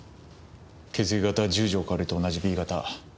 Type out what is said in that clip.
血液型は十条かおりと同じＢ型。